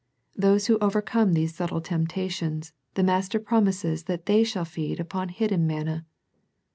To those who overcome these subtle temptations, the Master promises that they shall feed upon hidden manna.